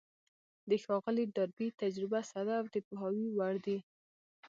د ښاغلي ډاربي تجربې ساده او د پوهاوي وړ دي.